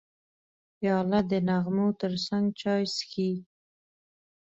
پیاله د نغمو ترڅنګ چای څښي.